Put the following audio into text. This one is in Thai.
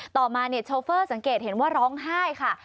ต่อมาเนี่ยโชเฟอร์สังเกตเห็นว่าร้องไห้ค่ะ